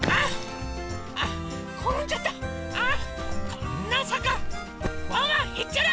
こんなさかワンワンへっちゃら！